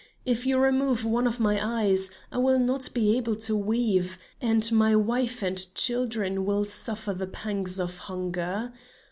If you remove one of my eyes, I will not be able to weave, and my wife and children will suffer the pangs of hunger.